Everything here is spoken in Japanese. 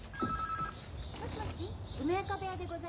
もしもし梅若部屋でございます。